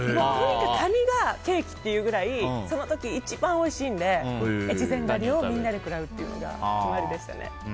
カニがケーキっていうくらいその時一番おいしいので越前ガニをみんなで食らうというのが決まりでしたね。